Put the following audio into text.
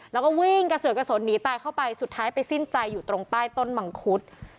แล้วก็วิ่งกระเสือกกระสนหนีตายเข้าไปสุดท้ายไปสิ้นใจอยู่ตรงใต้ต้นมังคุด